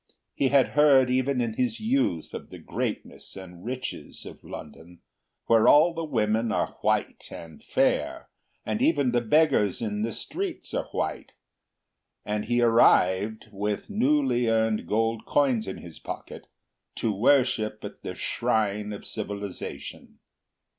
He had heard even in his youth of the greatness and riches of London, where all the women are white and fair, and even the beggars in the streets are white, and he arrived, with newly earned gold coins in his pocket, to worship at the shrine of civilisation.